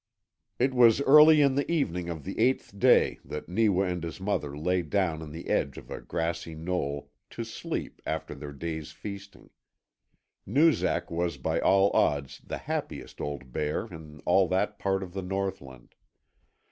It was early in the evening of the eighth day that Neewa and his mother lay down in the edge of a grassy knoll to sleep after their day's feasting. Noozak was by all odds the happiest old bear in all that part of the northland.